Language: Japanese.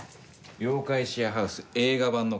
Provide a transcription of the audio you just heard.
『妖怪シェアハウス』映画版の監督